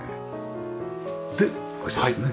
でこちらですね。